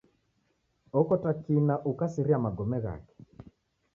Okota kina ukasiria magome ghake.